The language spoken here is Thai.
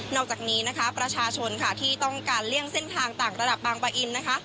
อกจากนี้นะคะประชาชนค่ะที่ต้องการเลี่ยงเส้นทางต่างระดับบางปะอินนะคะ